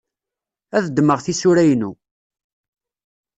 Ad ddmeɣ tisura-inu.